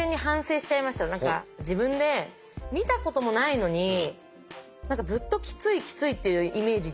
自分で見たこともないのに何かずっときついきついっていうイメージ